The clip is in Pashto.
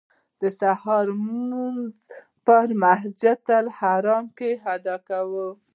د سهار لمونځ مو په مسجدالحرام کې ادا کړ.